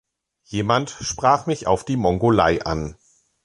Jemand sprach mich auf die Mongolei an.